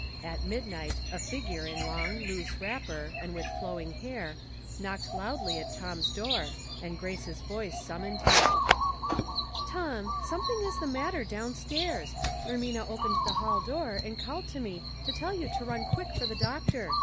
At midnight a figure in long, loose wrapper, and with flowing hair, knocked loudly at Tom's door, and Grace's voice summoned him. " Tom, something is the matter down stairs. Ermina opened the hall door, and called to me to tell you to run quick for the doctor.